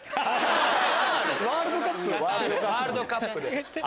ワールドカップ⁉ワールドカップで。